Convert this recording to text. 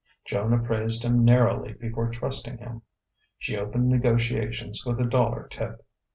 Joan appraised him narrowly before trusting him. She opened negotiations with a dollar tip.